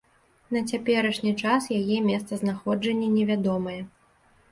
На цяперашні час яе месцазнаходжанне не вядомае.